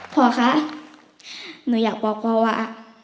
พ่อคะหนูอยากบอกพ่อว่า